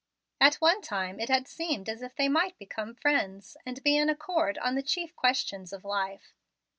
At one time it had seemed as if they might become friends, and be in accord on the chief questions of life.